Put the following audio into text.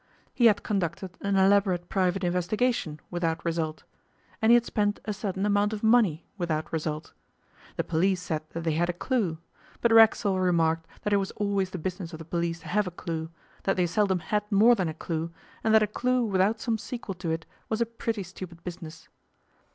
He had conducted an elaborate private investigation without result, and he had spent a certain amount of money without result. The police said that they had a clue; but Racksole remarked that it was always the business of the police to have a clue, that they seldom had more than a clue, and that a clue without some sequel to it was a pretty stupid business.